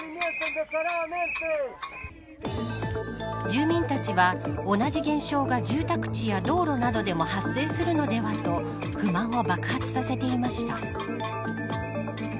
住民たちは同じ現象が住宅地や道路などでも発生するのではと不満を爆発させていました。